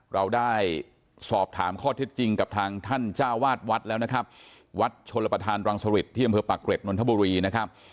เราได้สอบถามข้อเท็จจริงกับทางท่านเจ้าวาดวัดแล้วนะครับวัดชนประธานรังสริตที่อำเภอปากเกร็ดนนทบุรีนะครับ